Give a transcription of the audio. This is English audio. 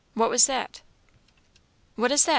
what was that?" "What is that?"